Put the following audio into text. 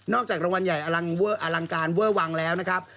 จากรางวัลใหญ่อลังการเวอร์วังแล้วนะครับ